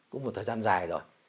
cũng một thời gian dài rồi